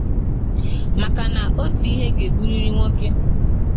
maka na otu ihe ga-egburịrị nwoke.